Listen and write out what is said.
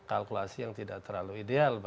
mungkin kalkulasi yang tidak terlalu ideal begitu ya